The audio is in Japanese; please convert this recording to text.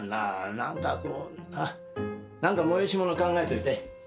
なんかこうなんか催し物考えといて。